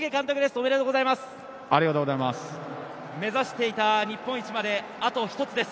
おめでとうございます。